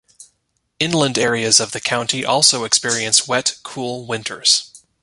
Inland areas of the county also experience wet, cool winters.